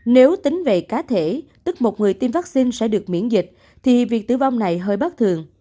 nếu tính về cá thể tức một người tiêm vaccine sẽ được miễn dịch thì việc tử vong này hơi bất thường